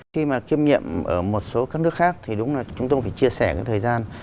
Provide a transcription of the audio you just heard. khi mà kiêm nhiệm ở một số các nước khác thì đúng là chúng tôi cũng phải chia sẻ cái thời gian